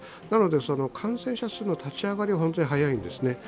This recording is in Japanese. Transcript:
なので、感染者数の立ち上がりは本当に早いんですね。